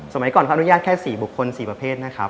สมัยก่อนพระอนุญาตแค่๔บุคคล๔ประเภทนะครับ